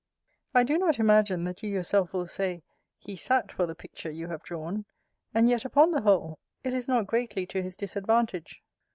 I do not imagine, that you yourself will say, he sat for the picture you have drawn. And yet, upon the whole, it is not greatly to his disadvantage.